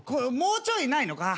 もうちょいないの？